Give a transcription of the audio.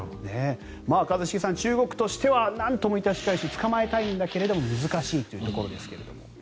一茂さん、中国としてはなんとしても捕まえたいんだけども難しいというところですが。